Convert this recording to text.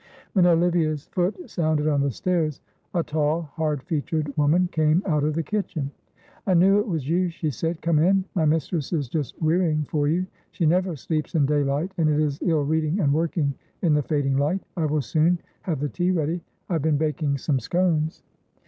When Olivia's foot sounded on the stairs, a tall, hard featured woman came out of the kitchen. "I knew it was you," she said. "Come in. My mistress is just wearying for you. She never sleeps in daylight, and it is ill reading and working in the fading light. I will soon have the tea ready. I have been baking some scones."